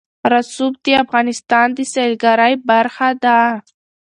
رسوب د افغانستان د سیلګرۍ برخه ده.